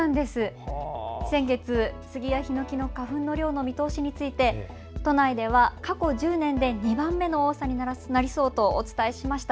先月、スギやヒノキの花粉の量の見通しについて都内では過去１０年で２番目の多さになりそうとお伝えしました。